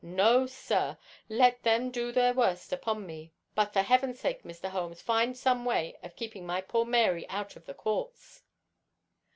No, sir; let them do their worst upon me, but for Heaven's sake, Mr. Holmes, find some way of keeping my poor Mary out of the courts."